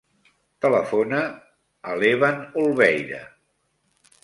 Telefona a l'Evan Olveira.